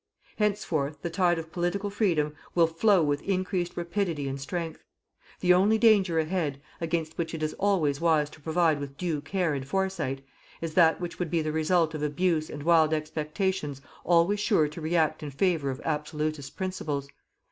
Henceforth the tide of political Freedom will flow with increased rapidity and strength. The only danger ahead, against which it is always wise to provide with due care and foresight, is that which would be the result of abuse and wild expectations always sure to react in favour of absolutist principles.